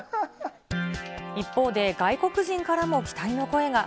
一方で、外国人からも期待の声が。